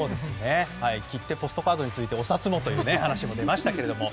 切手ポストカードに続いてお札もという話も出ましたけども。